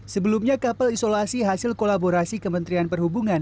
sebelumnya kapal isolasi hasil kolaborasi kementerian perhubungan